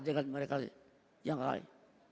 dengan mereka yang lain